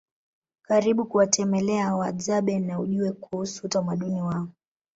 Karibu kuwatemelea Wahadzabe na ujue kuusu utamaduni wao